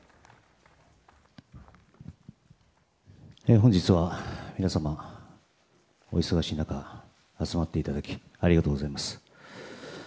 本日は、皆様お忙しい中集まっていただきありがとうございます。